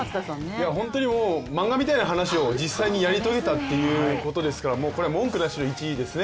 本当に漫画みたいな話を実際にやり遂げたっていうことですから、もうこれは文句なしの１位ですね。